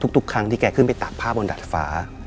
ทุกครั้งที่แกขึ้นไปตากผ้าบนดาดฟ้า